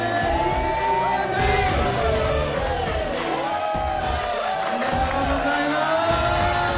フォー！おめでとうございます！